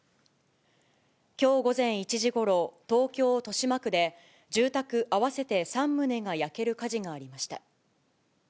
きょう午前１時ごろ、東京・豊島区で、住宅合わせて３棟が焼ける火事がありました。